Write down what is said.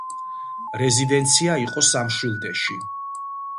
რეზიდენცია იყო სამშვილდეში.